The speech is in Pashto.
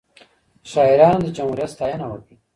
شاعرانو د جمهوریت ستاینه وکړه.